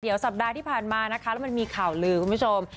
เดี๋ยวสัปดาห์ที่ผ่านมานะคะแล้วมันมีข่าวลือคุณผู้ชม